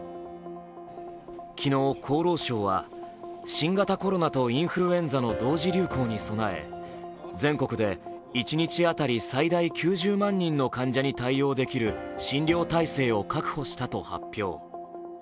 昨日、厚労省は新型コロナとインフルエンザの同時流行に備え全国で一日当たり最大９０万人の患者に対応できる診療体制を確保したと発表。